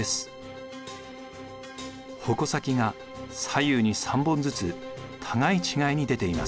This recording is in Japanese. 矛先が左右に３本ずつ互い違いに出ています。